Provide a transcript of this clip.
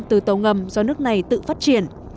từ tàu ngầm do nước này tự phát triển